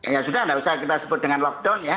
ya sudah tidak usah kita sebut dengan lockdown ya